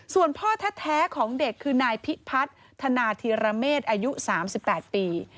ส่วนพ่อแท้ของเด็กคือนายพิพัฒนาธีรเมษอายุ๓๘ปี